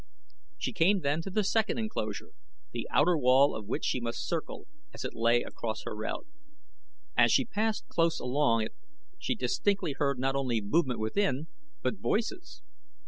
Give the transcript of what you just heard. She came then to the second enclosure, the outer wall of which she must circle, as it lay across her route. As she passed close along it she distinctly heard not only movement within, but voices.